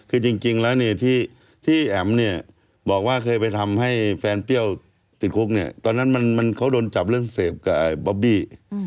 คือจริงแล้วเนี่ยที่แอ๋มเนี่ยบอกว่าเคยไปทำให้แฟนเปรี้ยวติดคุกเนี่ยตอนนั้นเขาโดนจับเรื่องเสพกับบอบบี้